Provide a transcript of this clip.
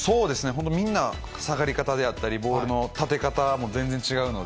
本当、みんな、下がり方であったり、ボールの立て方も全然違うので。